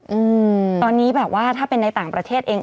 อืมตอนนี้แบบว่าถ้าเป็นในต่างประเทศเอง